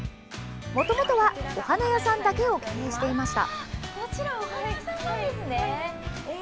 もともとは、お花屋さんだけを経営していました。